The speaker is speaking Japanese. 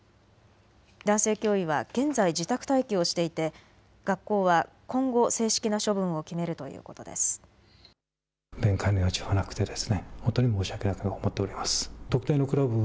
男性教諭は現在、自宅待機をしていて学校は今後、正式な処分を決めるということです。